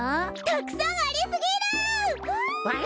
たくさんありすぎるわあ！